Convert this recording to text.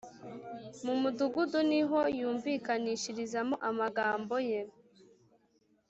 mu mudugudu ni ho yumvikanishirizamo amagambo ye :